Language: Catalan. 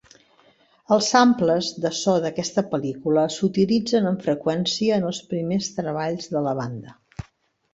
Els samples de so d'aquesta pel·lícula s'utilitzen amb freqüència en els primers treballs de la banda.